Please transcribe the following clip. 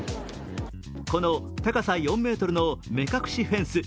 この高さ４ｍの目隠しフェンス